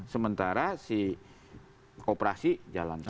sementara si kooperasi jalan tol